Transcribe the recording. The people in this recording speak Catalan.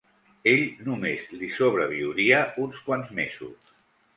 Ell només li sobreviuria uns quants mesos.